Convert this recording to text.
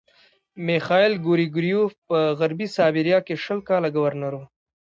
میخایل ګریګورویوف په غربي سایبیریا کې شل کاله ګورنر وو.